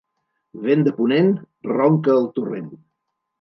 Vent de ponent, ronca el torrent.